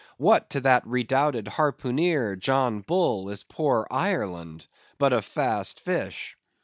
What to that redoubted harpooneer, John Bull, is poor Ireland, but a Fast Fish?